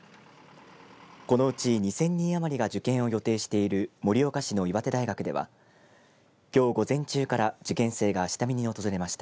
このうち２０００人余りが受験を予定している盛岡市の岩手大学ではきょう午前中から受験生が下見に訪れました。